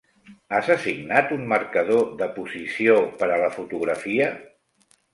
Has assignat un marcador de posició per a la fotografia?